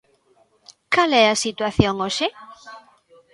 ¿Cal é a situación hoxe?